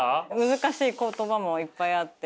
難しい言葉もいっぱいあって。